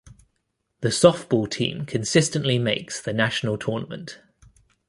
The softball team consistently makes the national tournament.